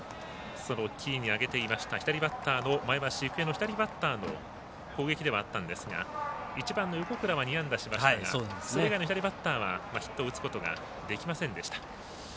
キーに挙げていました前橋育英の左バッターの攻撃だったんですが１番の横倉は２安打しましたが左バッターはヒットを打つことができませんでした。